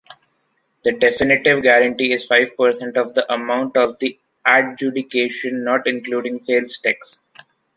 The definitive guarantee is five percent of the amount of the adjudication, not including sales tax.